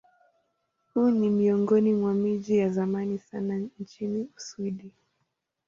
Huu ni miongoni mwa miji ya zamani sana nchini Uswidi.